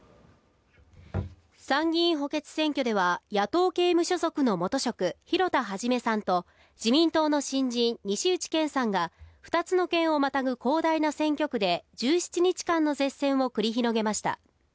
参議院補欠選挙では野党系無所属の元職・広田一さんと自民党の新人・西内健さんが２つの県をまたぐ広大な選挙区で１７日間の舌戦を繰り広げました。